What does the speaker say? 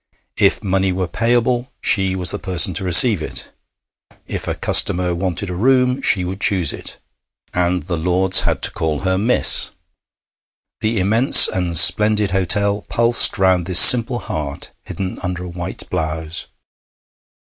If money were payable, she was the person to receive it; if a customer wanted a room, she would choose it; and the lords had to call her 'miss.' The immense and splendid hotel pulsed round this simple heart hidden under a white blouse.